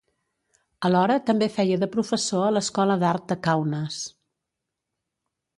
Alhora també feia de professor a l'Escola d'Art de Kaunas.